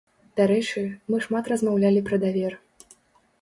Дарэчы, мы шмат размаўлялі пра давер.